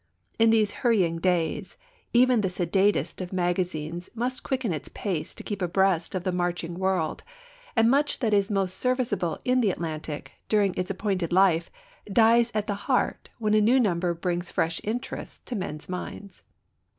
In these hurrying days, even the sedatest of magazines must quicken its pace to keep abreast of the marching world, and much that is most serviceable in The Atlantic during its appointed life dies at the heart when a new number brings fresh interests to men's minds.